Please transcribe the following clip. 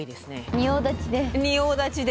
仁王立ちで！